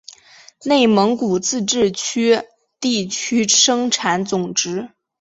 内蒙古自治区地区生产总值